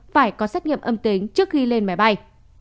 phải có xét nghiệm âm tính trước khi lên máy bay